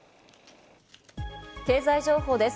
経済情報です。